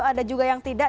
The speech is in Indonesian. ada juga yang tidak